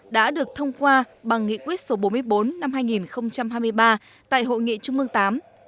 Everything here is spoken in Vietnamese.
đã được thông qua bằng nghị quyết số bốn mươi bốn năm hai nghìn hai mươi ba tại hội nghị trung mương viii